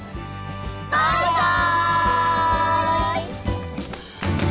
バイバイ！